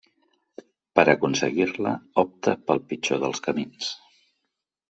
Per aconseguir-la, opta pel pitjor dels camins.